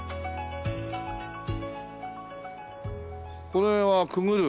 これはくぐる？